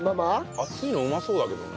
熱いのうまそうだけどね。